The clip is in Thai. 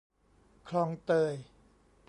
คลองเตย